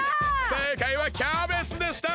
せいかいはキャベツでした！